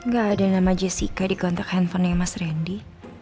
gak ada nama jessica di kontak handphonenya mas randy